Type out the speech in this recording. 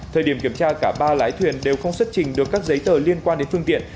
thời điểm kiểm tra cả ba lái thuyền đều không xuất trình được các giấy tờ liên quan đến phương tiện